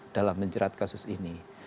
dalam menjerat kasus ini